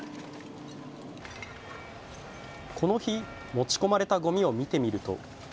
この日、持ち込まれたごみを見てみると。